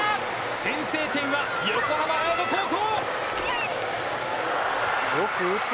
先制点は横浜隼人高校！